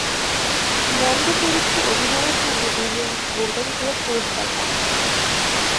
Munro চরিত্রে অভিনয়ের জন্য উইলিয়ামস গোল্ডেন গ্লোব পুরস্কার পান।